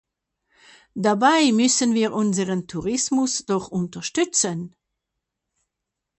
Dabei müssen wir unseren Tourismus doch unterstützen!